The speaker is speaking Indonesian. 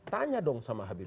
tanya dong sama habibudin